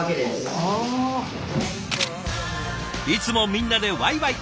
いつもみんなでワイワイ！